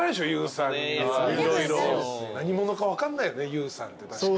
ＹＯＵさんって。